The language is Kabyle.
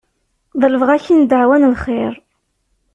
Ḍelbeɣ-k-in ddeɛwa n lxir.